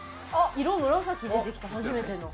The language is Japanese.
色紫出てきた初めての。